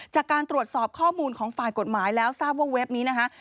จากการตรวจสอบข้อมูลของฝ่ายกฎหมายแล้วทราบว่าเว็บนี้นะคะ